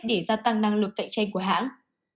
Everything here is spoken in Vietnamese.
để gia tăng năng lực cạnh tranh của hãng